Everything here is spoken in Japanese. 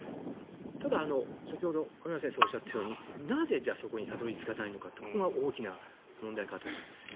ただ、先ほど雨宮先生がおっしゃったようにそこになぜたどり着かないのかって大きな問題だと思います。